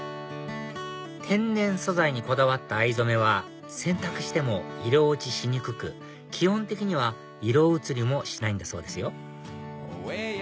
天然素材にこだわった藍染めは洗濯しても色落ちしにくく基本的には色移りもしないんだそうですよ